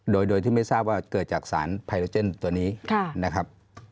โดยที่ไม่ทราบว่าเกิดจากสารไพโรเจนตัวนี้นะครับ